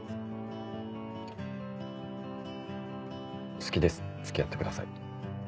好きです付き合ってください。